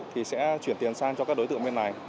thì sẽ chuyển tiền sang cho các đối tượng bên này